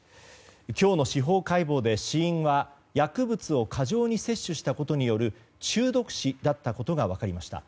今日の司法解剖で死因は薬物を過剰に摂取したことによる中毒死だったことが分かりました。